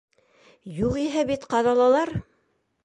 Юғиһә, бит ҡаҙалалар!